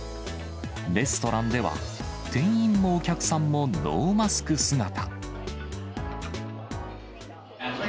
レストランでは、店員もお客さんもノーマスク姿。